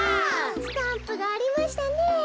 スタンプがありましたねえ。